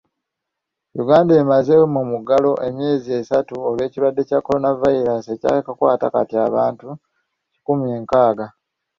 Uganda emaze mu muggalo emyezi esatu olw'ekirwadde kya Coronavirus ekyakakwata kati abantu kikumi nkaaga.